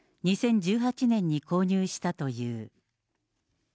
２０１８年に購入したという。